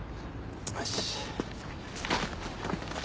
よし。